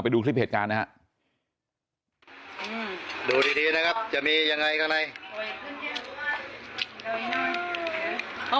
ไปดูคลิปเหตุการณ์นะฮะดูดีดีนะครับจะมียังไงข้างใน